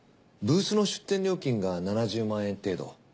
ブースの出展料金が７０万円程度。